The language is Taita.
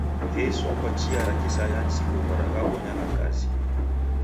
Gheiswa kwa chia ra kisayansi kughora ghabonyagha kazi.